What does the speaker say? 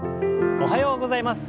おはようございます。